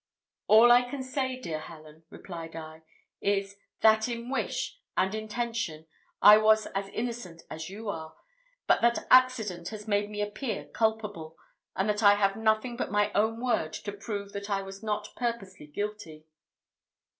"All I can say, dear Helen," replied I, "is, that in wish, and intention, I was as innocent as you are; but that accident has made me appear culpable, and that I have nothing but my own word to prove that I was not purposely guilty."